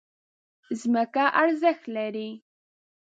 ځمکه ارزښت لري.